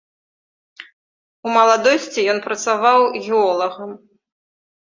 У маладосці ён працаваў геолагам.